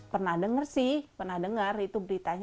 pernah dengar sih pernah dengar itu beritanya